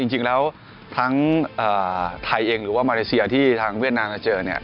จริงแล้วทั้งไทยเองหรือว่ามาเลเซียที่ทางเวียดนามมาเจอเนี่ย